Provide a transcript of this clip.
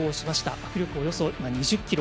握力、およそ２０キロ。